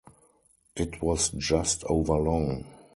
It was just over long.